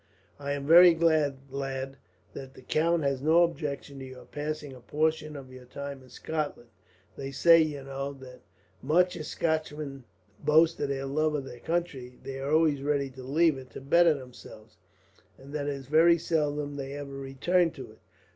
"I am very glad, lad, that the count has no objection to your passing a portion of your time in Scotland. They say, you know, that much as Scotchmen boast of their love of their country, they are always ready to leave it to better themselves; and that it is very seldom they ever return to it.